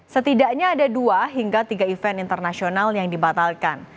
setidaknya ada dua hingga tiga event internasional yang dibatalkan